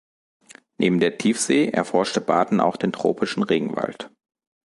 Neben der Tiefsee erforschte Barton auch den tropischen Regenwald.